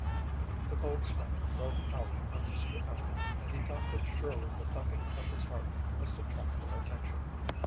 The cold sweat broke out on Mr. Appel and he thought that surely the thumping of his heart must attract their attention.